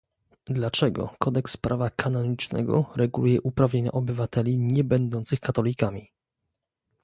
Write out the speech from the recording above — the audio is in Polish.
Dlaczego kodeks prawa kanonicznego reguluje uprawnienia obywateli nie będących katolikami?